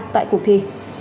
tại cuộc thi